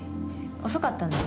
遅かったね。